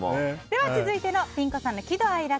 では続いてのピン子さんの喜怒哀楽。